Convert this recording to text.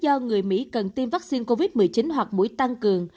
do người mỹ cần tiêm vaccine covid một mươi chín hoặc mũi tăng cường